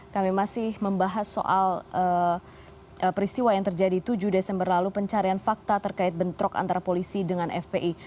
kami masih membahas soal peristiwa yang terjadi tujuh desember lalu pencarian fakta terkait bentrok antara polisi dengan fpi